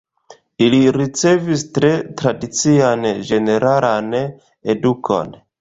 Ili ricevis tre tradician ĝeneralan edukon.